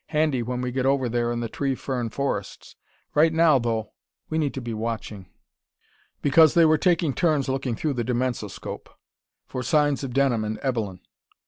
Handy when we get over there in the tree fern forests. Right now, though, we need to be watching...." Because they were taking turns looking through the dimensoscope. For signs of Denham and Evelyn.